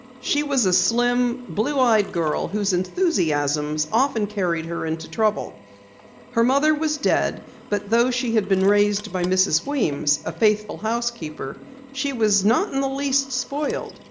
She was a slim, blue eyed girl whose enthusiasms often carried her into trouble. Her mother was dead, but though she had been raised by Mrs. Weems, a faithful housekeeper, she was not in the least spoiled.